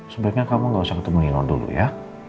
sebaiknya kamu gak usah ketemu dinor dulu ya